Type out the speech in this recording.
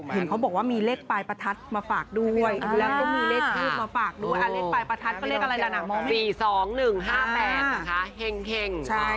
เห็นเขาบอกว่ามีเลขปลายประทัดมาฝากด้วย